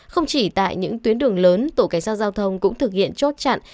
không chỉ tại những tuyến đường lớn tổ cảnh sát giao thông cũng thực hiện chốt chặn